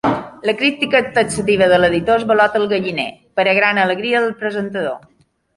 La crítica taxativa de l'editor esvalota el galliner, per a gran alegria del presentador.